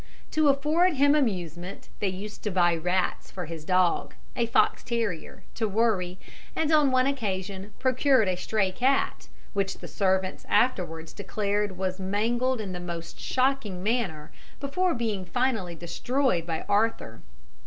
To afford him amusement they used to buy rats for his dog a fox terrier to worry, and on one occasion procured a stray cat, which the servants afterwards declared was mangled in the most shocking manner before being finally destroyed by Arthur.